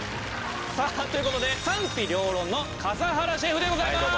さあという事で賛否両論の笠原シェフでございます。